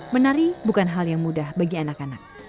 menari bukan hal yang mudah bagi anak anak